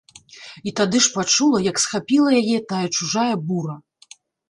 І тады ж пачула, як схапіла яе тая чужая бура.